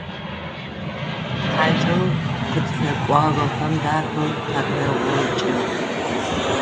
ХьакӀэу къытфэкӀуагъэхэм дахэу тапэгъокӀыгъ.